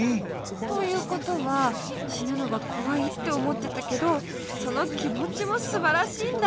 ということはしぬのがこわいっておもってたけどそのきもちもすばらしいんだ。